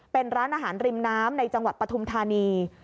เป็นร้านอาหารริมน้ำในจังหวัดปฐุมธานี